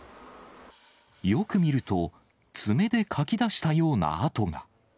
よく見ると、爪でかき出したような跡が。